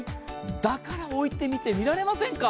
だから置いてみてみられませんか。